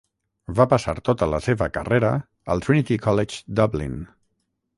Va passar tota la seva carrera al Trinity College Dublin.